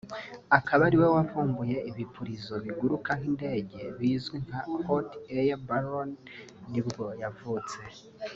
akaba ariwe wavumbuye ibipirizo biguruka nk’indege bizwi nka hot air balloon nibwo yavutse